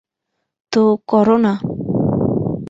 তো কর না।